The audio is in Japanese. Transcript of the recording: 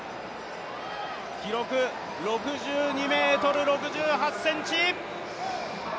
記録、６２ｍ６８ｃｍ。